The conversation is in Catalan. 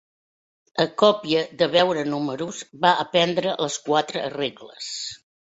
A copia de veure números va aprendre les quatre regles.